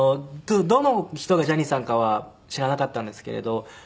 どの人がジャニーさんかは知らなかったんですけれど。